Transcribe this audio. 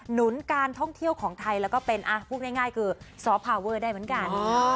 หนุนการท่องเที่ยวของไทยแล้วก็เป็นพูดง่ายคือซอฟพาเวอร์ได้เหมือนกัน